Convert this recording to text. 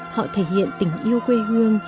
họ thể hiện tình yêu quê hương